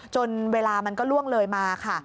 เวลามันก็ล่วงเลยมาค่ะ